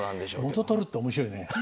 元取るって面白いね。